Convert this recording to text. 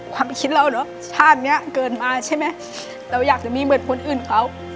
ความคิดเราเนอะชาติเนี้ยเกินมาใช่ไหมเราอยากจะมีเหมือนคนอื่นเขา